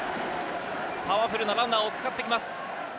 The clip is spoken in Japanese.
パワフルなランナーを使ってきます。